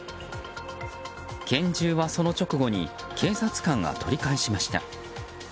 拳銃はその直後に警察官が取り返しました。